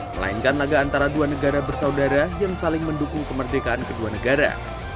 melainkan laga antara dua negara bersaudara yang saling mendukung kemerdekaan kedua negara